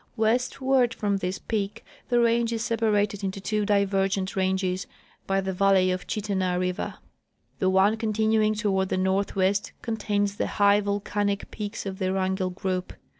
Westward from this peak the range is separated into two divergent ranges by the valley of Chittenah river. The one continuing toward the north west contains the high volcanic peaks of the Wrangell group.